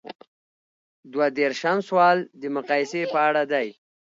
دوه دیرشم سوال د مقایسې په اړه دی.